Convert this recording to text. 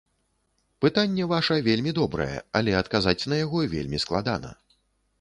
Пытанне ваша вельмі добрае, але адказаць на яго вельмі складана.